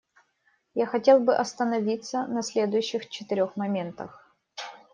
Я хотел бы остановиться на следующих четырех моментах.